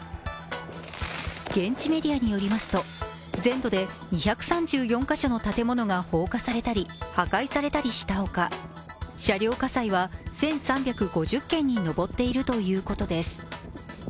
現地メディアによりますと全土で２３４か所の建物が放火されたり破壊されたりしたほか車両火災は１３５０件に上っているということです。